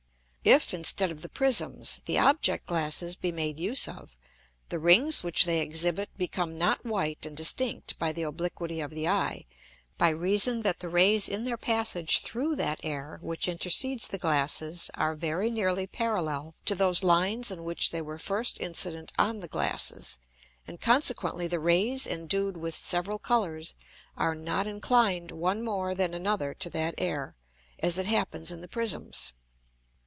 If instead of the Prisms the Object glasses be made use of, the Rings which they exhibit become not white and distinct by the obliquity of the Eye, by reason that the Rays in their passage through that Air which intercedes the Glasses are very nearly parallel to those Lines in which they were first incident on the Glasses, and consequently the Rays endued with several Colours are not inclined one more than another to that Air, as it happens in the Prisms.